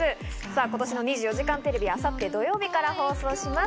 今年の『２４時間テレビ』は明後日、土曜日から放送します。